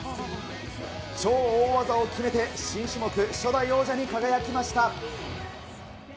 超大技を決めて、新種目、初代王者に輝きました。